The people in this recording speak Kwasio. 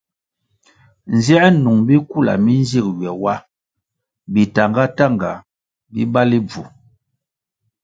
Nziē nung bikula mi nzig ywe wa bi tahnga- tahnga bi bali bvu.